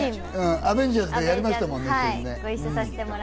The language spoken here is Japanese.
『アベンジャーズ』でやりましたもんね。